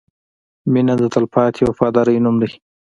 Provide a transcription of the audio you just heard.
• مینه د تلپاتې وفادارۍ نوم دی.